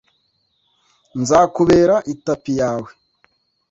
nzakubera itapi yawe